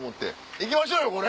「行きましょうよこれ！」